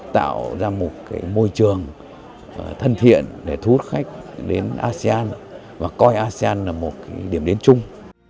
tạo ra một môi trường thân thiện để thu hút khách đến asean và coi asean là một điểm đến chung